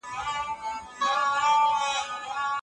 تسلي چا ته په دغه خړ مازیګر کې په کار وه؟